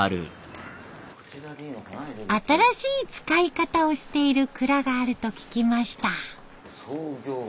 新しい使い方をしている蔵があると聞きました。